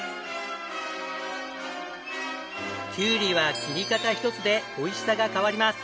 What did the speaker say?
きゅうりは切り方一つで美味しさが変わります。